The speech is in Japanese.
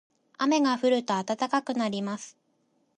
雨が降ると暖かくなります。